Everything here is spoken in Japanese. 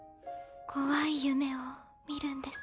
怖い夢を見るんです。